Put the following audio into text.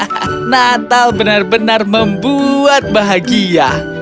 hah natal benar benar membuat bahagia